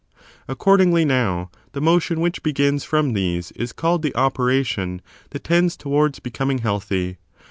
Accord ingly, now the motion which begins from these is called the operation that tends towards becoming healthy.